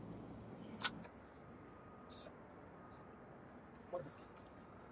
It allows for easy swapping or updating of specific components within a design.